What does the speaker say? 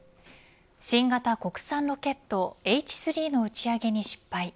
新型国産ロケットＨ３の打ち上げに失敗。